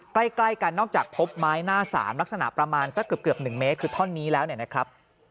ใกล้กันนอกจากพบไม้หน้าสามลักษณะประมาณสักเกือบ๑เมตรคือท่อนนี้แล้วเนี่ยนะครับ